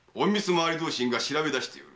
廻り同心が調べ出しておる。